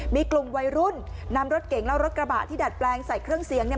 มีกลุ่มวัยรุ่นนำรถเก่งและรถกระบะที่ดัดแปลงใส่เครื่องเสียงเนี่ย